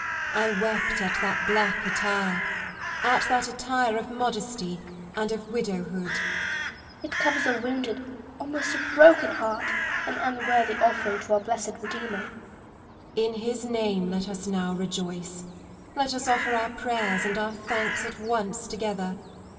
I wept at that black attire — at that attire of modesty and of widowhood. Lady Lisle. It covers a wounded, almost a broken heart — an unworthy offering to our blessed Redeemer. Elizabeth Gaunt. In his name let us now rejoice ! Let us offer our prayers and our thanks at once together